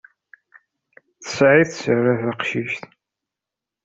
Tesɛiḍ sser a taqcict.